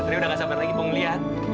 satria udah nggak sampai lagi mau ngeliat